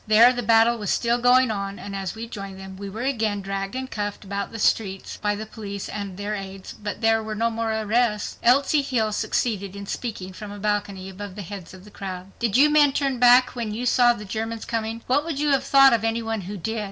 There the battle was still going on, and as we joined them we were again dragged and cuffed about the streets by the police and their aids, but there were no more arrests. Elsie Hill succeeded in speaking from a balcony above the heads of the crowd: "Did you men turn back when you saw the Germans coming? What would you have thought of any one who did?